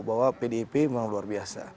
bahwa pdip memang luar biasa